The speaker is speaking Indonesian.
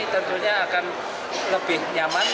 dan keamanan penumpang